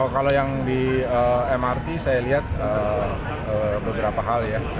kalau yang di mrt saya lihat beberapa hal ya